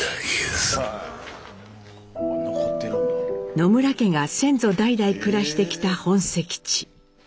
野村家が先祖代々暮らしてきた本籍地。